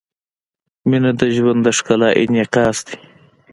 • مینه د ژوند د ښکلا انعکاس دی.